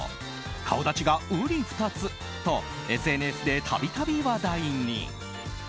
顔立ちが瓜二つとＳＮＳで度々話題に。